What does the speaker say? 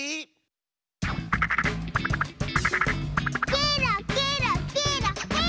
ケロケロケロヘイ！